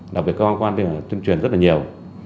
đặc biệt cơ quan quan điểm là tuyên truyền rất là nhiều